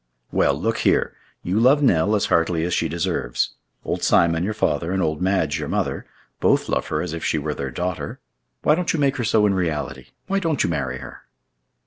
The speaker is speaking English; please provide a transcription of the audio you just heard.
"Well, look here! You love Nell as heartily as she deserves. Old Simon, your father, and old Madge, your mother, both love her as if she were their daughter. Why don't you make her so in reality? Why don't you marry her?"